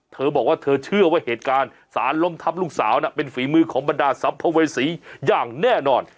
เธอบอกว่าเธอเชื่อว่าเหตุการณ์สารล้มทับลูกสาวน่ะเป็นฝีมือของบรรดาสัมภเวษีอย่างแน่นอน